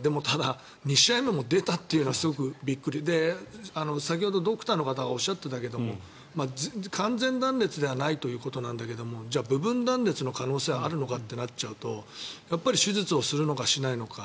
でもただ、２試合目も出たというのはすごくびっくりで先ほどドクターの方がおっしゃってたけど完全断裂ではないということだけどじゃあ、部分断裂の可能性はあるのかとなっちゃうと手術をするのか、しないのか。